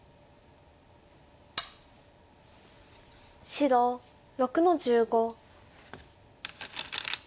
白６の十五。